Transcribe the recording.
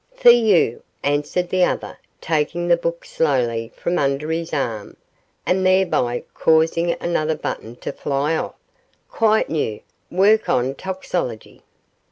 'For you,' answered the other, taking the book slowly from under his arm, and thereby causing another button to fly off, 'quite new, work on toxicology.